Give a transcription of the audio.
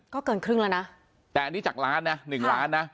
ก็เกินครึ่งแล้วนะแต่อันนี้จากล้านนะหนึ่งล้านนะ